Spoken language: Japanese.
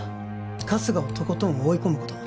春日をとことん追い込むこと